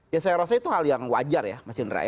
ya saya rasa itu hal yang wajar ya mas indra ya